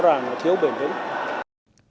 rõ ràng là thiếu bình tĩnh